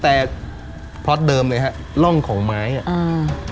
แต่พล็อตเดิมเลยฮะร่องของไม้อ่ะอ่า